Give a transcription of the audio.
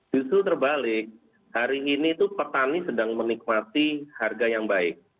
justru terbalik hari ini itu petani sedang menikmati harga yang baik